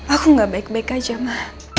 aku ya gak baik baik aja ma